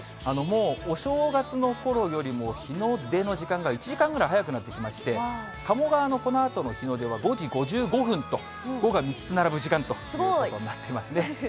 もうお正月のころよりも、日の出の時間が１時間ぐらい早くなってきまして、鴨川のこのあとの日の出は５時５５分と、５が３つ並ぶ時間ということになっていますね。